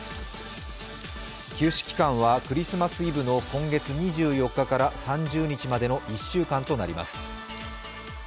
休止期間はクリスマスイブの今月２３日から３０日までの１週間となります。